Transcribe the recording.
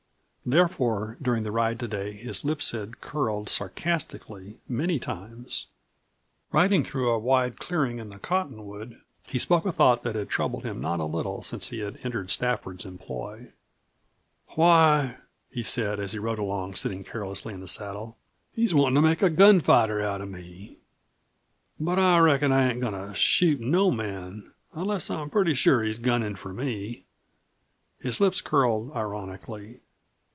Therefore, during the ride today, his lips had curled sarcastically many times. Riding through a wide clearing in the cottonwood, he spoke a thought that had troubled him not a little since he had entered Stafford's employ. "Why," he said, as he rode along, sitting carelessly in the saddle, "he's wantin' to make a gunfighter out of me. But I reckon I ain't goin' to shoot no man unless I'm pretty sure he's gunnin' for me." His lips curled ironically.